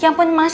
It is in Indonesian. ya ampun mas